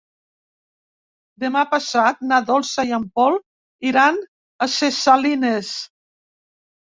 Demà passat na Dolça i en Pol iran a Ses Salines.